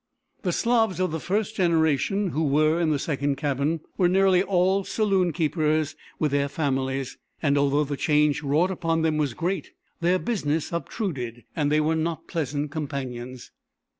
The Slavs of the first generation who were in the second cabin, were nearly all saloon keepers with their families; and although the change wrought upon them was great, their business obtruded, and they were not pleasant companions.